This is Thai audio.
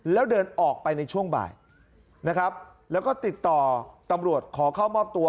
แล้วเดินออกไปในช่วงบ่ายนะครับแล้วก็ติดต่อตำรวจขอเข้ามอบตัว